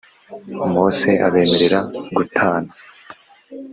mose abemerera gutana